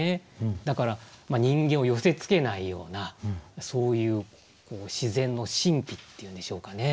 だから人間を寄せつけないようなそういう自然の神秘っていうんでしょうかね。